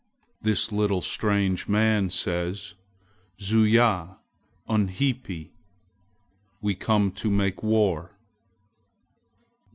"This little strange man says, 'Zuya unhipi! We come to make war!'"